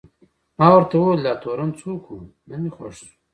ما ورته وویل: دا تورن څوک و؟ نه مې خوښ شو.